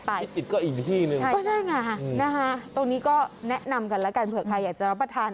ที่ติดก็อีกที่นึงใช่ค่ะตรงนี้ก็แนะนำกันแล้วกันเผื่อใครอยากจะรับประทาน